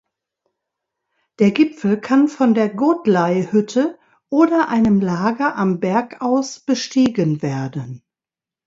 Der Gipfel kann von der Godley-Hütte oder einem Lager am Berg aus bestiegen werden.